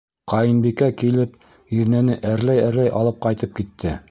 — Ҡайынбикә килеп, еҙнәне әрләй-әрләй алып ҡайтып китте.